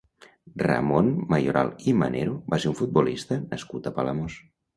Ramon Mayoral i Manero va ser un futbolista nascut a Palamós.